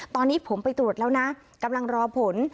ตอนนี้ผมไปตรวจแล้วนะกำลังรอผล